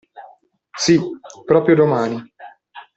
Sì, proprio domani!